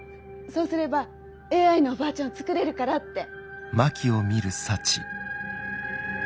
そうすればＡＩのおばあちゃんを創れるからって。